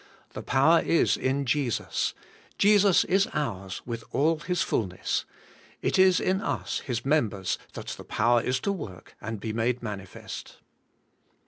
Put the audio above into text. The power is in Jesus; Jesus is ours with all His fulness; it is in us His members that the power is to work and be made manifest.